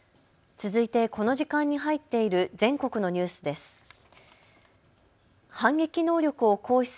続いて、この時間に入っている全国のニュースです。